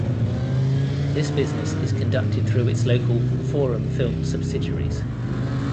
This business is conducted through its local "Forum Film" subsidiaries.